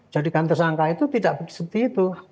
jadikan tersangka itu tidak seperti itu